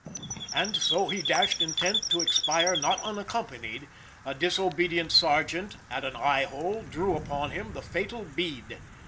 As so he dashed, intent to expire not unaccompanied, a disobedient sergeant at an eye hole drew upon him the fatal bead.